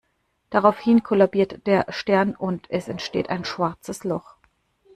Daraufhin kollabiert der Stern und es entsteht ein schwarzes Loch.